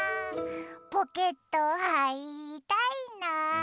ポケットはいりたいな。